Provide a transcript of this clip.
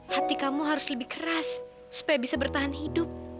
hati kamu harus lebih keras supaya bisa bertahan hidup